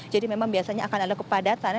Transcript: jadi memang biasanya akan ada kepadatan